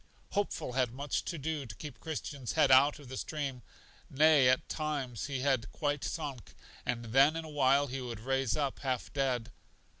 Hopeful had much to do to keep Christian's head out of the stream; nay, at times he had quite sunk, and then in a while he would rise up half dead.